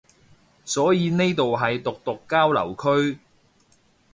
所以呢度係毒毒交流區